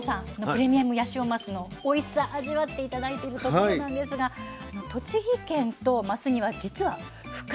プレミアムヤシオマスのおいしさ味わって頂いてるところなんですが栃木県とマスには実は深いつながりがあるんですよ。